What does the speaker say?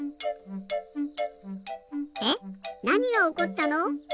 なにがおこったの？